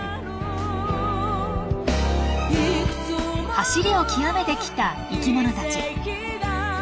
走りを極めてきた生きものたち。